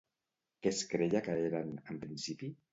Què es creia que eren, en principi?